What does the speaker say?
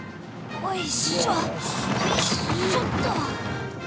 おいしょおいしょっと。